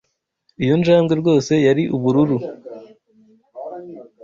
Iyo njangwe rwose yari ubururu. (